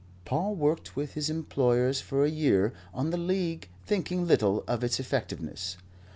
Paul worked with his employers for a year on the League thinking little of its effectiveness.